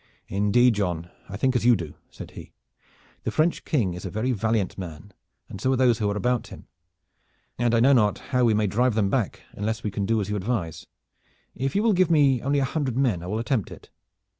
"Indeed, John, I think as you do," said he. "The French King is a very valiant man, and so are those who are about him, and I know not how we may drive them back unless we can do as you advise. If you will give me only a hundred men I will attempt it."